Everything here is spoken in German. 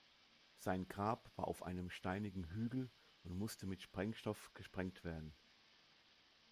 Sein Grab war auf einem steinigen Hügel und musste mit Sprengstoff gesprengt werden.